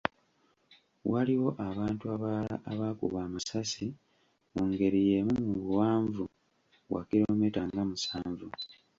Waliwo abantu abalala abaakubwa amasasi mungeri yeemu mu buwanvu bwa kiromita nga musanvu.